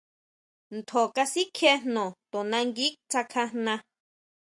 Ntjo kasikjie jno, to nangui tsákajna.